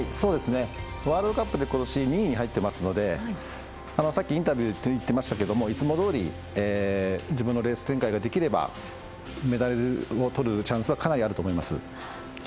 ワールドカップでことし２位に入っていますのでさっきインタビューで言ってましたけど、いつもどおり自分のレース展開ができればメダルをとるチャンスはかなりあると思います。